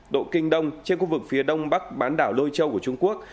một trăm một mươi độ kinh đông trên khu vực phía đông bắc bán đảo lôi châu của trung quốc